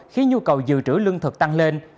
khi nhu cầu dự trữ lương thực tăng lên